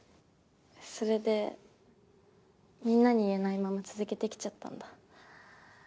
それでみんなに言えないまま続けて来ちゃったんだ。